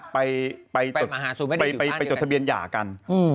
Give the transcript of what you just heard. ไปจดไปจดทะเบียนหย่ากัน